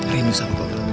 rindu sama bapak